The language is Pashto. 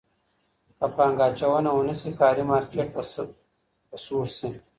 که پانګه اچونه ونه سي کاري مارکېټ به سړ سي.